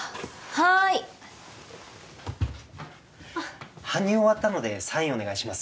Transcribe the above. はい搬入終わったのでサインお願いします